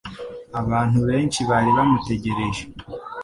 Abantu benshi bari bamutegereje.